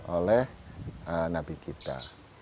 oleh nabi kita